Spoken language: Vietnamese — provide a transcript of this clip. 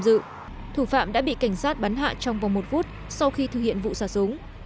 trước khi tham dự thủ phạm đã bị cảnh sát bắn hạ trong vòng một phút sau khi thực hiện vụ xả súng